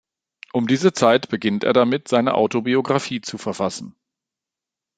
Um diese Zeit beginnt er damit, seine Autobiografie zu verfassen.